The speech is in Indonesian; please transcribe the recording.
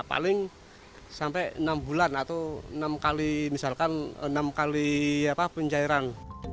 paling sampai enam bulan atau enam kali pencairan